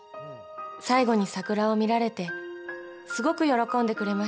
最後に桜を見られてすごく喜んでくれました。